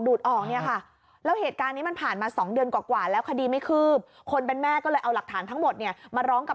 ออกเนี่ยค่ะแล้วเหตุการณ์นี้มันผ่านมา๒เดือนกว่าแล้วคดีไม่คืบคนเป็นแม่ก็เลยเอาหลักฐานทั้งหมดเนี่ยมาร้องกับ